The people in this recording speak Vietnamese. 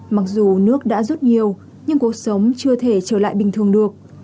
mặc dù nước đã rút nhiều nhưng cuộc sống chưa thể trở lại bình thường được